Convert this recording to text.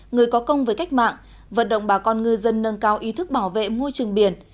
người có công với cách mạng vận động bà con ngư dân nâng cao ý thức bảo vệ môi trường biển